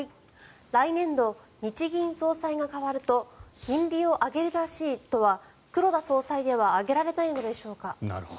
来年度日銀総裁が代わると金利を上げるらしいとは黒田総裁では上げられないのでしょうか？